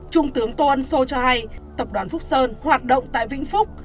trung tướng tô ân sô cho hay tập đoàn phúc sơn hoạt động tại vĩnh phúc